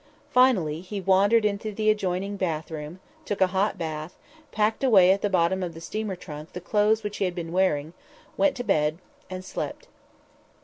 Finally he wandered into the adjoining bathroom, took a hot bath, packed away at the bottom of the steamer trunk the clothes which he had been wearing, went to bed and slept.